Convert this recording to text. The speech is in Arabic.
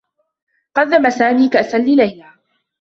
قدّم سامي كأسا لليلي.